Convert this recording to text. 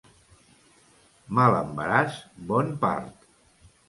Mal embaràs, bon part.